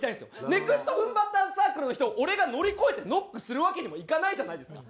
ネクストフンバッターズサークルの人を俺が乗り越えてノックするわけにもいかないじゃないですか。